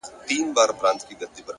پوهه د شکونو ځای یقین ته ورکوي’